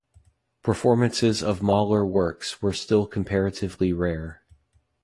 Performances of Mahler works were still comparatively rare.